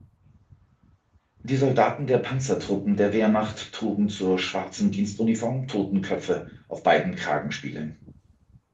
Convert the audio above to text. Die Soldaten der Panzertruppen der Wehrmacht trugen zur schwarzen Dienstuniform Totenköpfe auf beiden Kragenspiegeln.